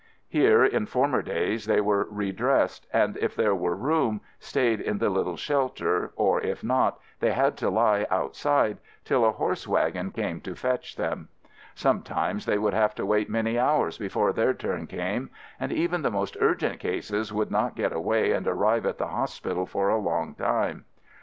Here in former days they were re dressed, and if there were room, stayed in the little shelter, or if not, they had to lie outside till a horse wagon came to fetch them. Sometimes they would have to wait many hours before their turn came, and even the most urgent cases would not get away and arrive at the hos pital for a long time.